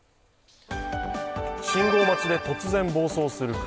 信号待ちで突然暴走する車。